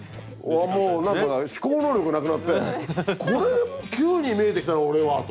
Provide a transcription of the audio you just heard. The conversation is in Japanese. もうなんか思考能力なくなってこれも球に見えてきたな俺はと。